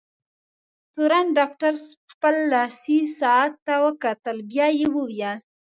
تورن ډاکټر خپل لاسي ساعت ته وکتل، بیا یې وویل: